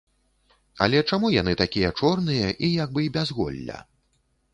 Але чаму яны такія чорныя і як бы без голля?